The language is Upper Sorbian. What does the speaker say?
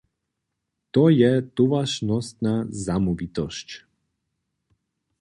To je towaršnostna zamołwitosć.